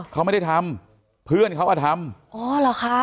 เขาไม่ได้ทำเพื่อนเขาอ่ะทำ